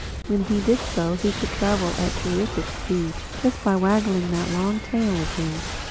When he did so he could travel at a terrific speed, just by waggling that long tail of his.